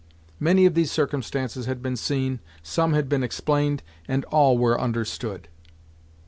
Many of these circumstances had been seen, some had been explained, and all were understood.